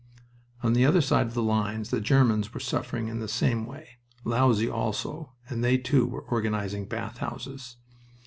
On the other side of the lines the Germans were suffering in the same way, lousy also, and they, too, were organizing bath houses.